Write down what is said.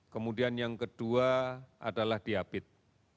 kemudian yang kedua adalah diabetes